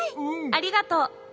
ありがとう。